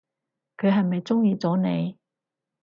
佢係咪中意咗你？